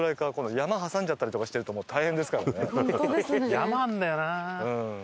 山あるんだよな。